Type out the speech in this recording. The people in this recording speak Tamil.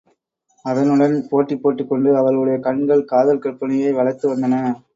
அதனுடன் போட்டி போட்டுக்கொண்டு அவர்களுடைய கண்கள் காதல் கற்பனையை வளர்த்து வந்தன.